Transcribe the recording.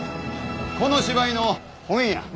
この芝居の台本や。